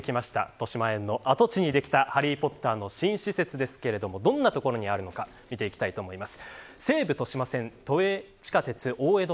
としまえんの跡地にできたハリー・ポッターの新施設ですがどんな所にあるのか見ていきたいと思います。